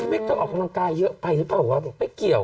อีเมคเตอร์ออกกำลังกายเยอะไปหรือเปล่าไม่เกี่ยว